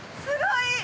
すごい。